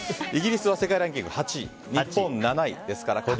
イギリスは世界ランキング８位日本、７位ですから。